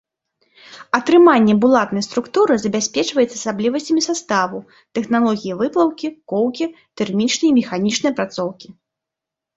Атрыманне булатнай структуры забяспечваецца асаблівасцямі саставу, тэхналогіі выплаўкі, коўкі, тэрмічнай і механічнай апрацоўкі.